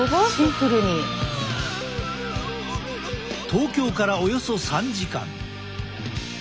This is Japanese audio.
東京からおよそ３時間。